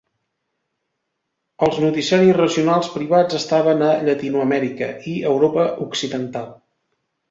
Els noticiaris regionals privats estaven a Llatinoamèrica i Europa occidental.